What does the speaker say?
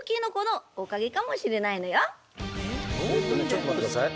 ちょっと待って下さい。